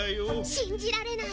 しんじられない。